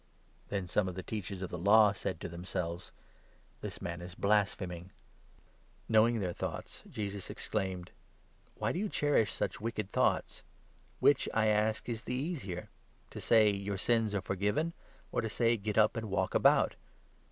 Then some of the Teachers of the Law said to themselves : 3 "This man is blaspheming!" Knowing their thoughts, Jesus exclaimed : 4 " Why do you cherish such wicked thoughts ? Which, I ask, 5 is the easier ?— to say ' Your sins are forgiven '? or to say ' Get up, and walk about